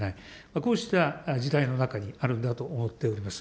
こうした時代の中にあるんだと思っております。